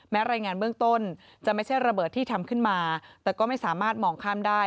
รายงานเบื้องต้นจะไม่ใช่ระเบิดที่ทำขึ้นมาแต่ก็ไม่สามารถมองข้ามได้